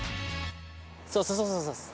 そうそうそうそうです。